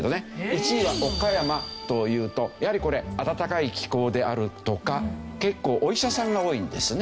１位は岡山というとやはりこれ暖かい気候であるとか結構お医者さんが多いんですね